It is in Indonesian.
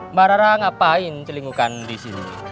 mbak rara ngapain celingukan di sini